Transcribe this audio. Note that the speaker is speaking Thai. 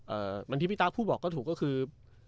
เอ่อมันที่พี่ต้าพูดบอกก็ถูกก็คือ